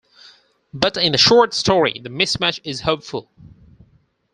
But in the short story the mismatch is hopeful.